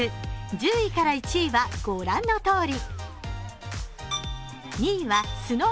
１０から１位は御覧のとおり。